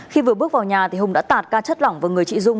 khi vừa bước vào nhà thì hùng đã tạt ca chất lỏng vào người chị dung